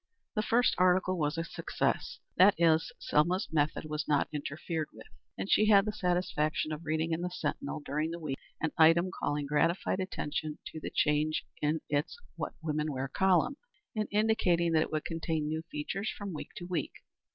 The first article was a success. That is, Selma's method was not interfered with, and she had the satisfaction of reading in the Sentinel during the week an item calling gratified attention to the change in its "What Women Wear" column, and indicating that it would contain new features from week to week.